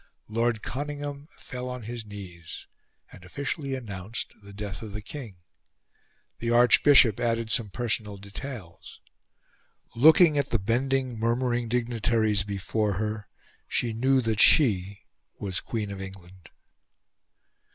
Lord Conyngham fell on his knees, and officially announced the death of the King; the Archbishop added some personal details. Looking at the bending, murmuring dignitaries before her, she knew that she was Queen of England.